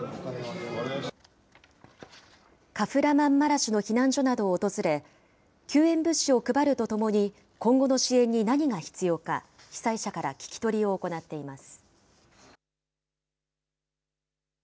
カフラマンマラシュの避難所などを訪れ、救援物資を配るとともに、今後の支援に何が必要か、被災者から聞き取りを行っています。